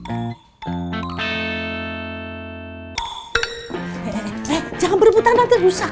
eh eh eh jangan berputar nanti rusak